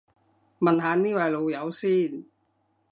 問下呢位老友先